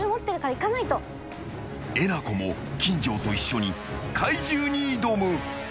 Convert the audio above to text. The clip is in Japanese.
［えなこも金城と一緒に怪獣に挑む］